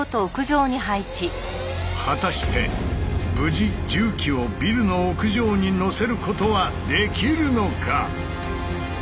果たして無事重機をビルの屋上にのせることはできるのか？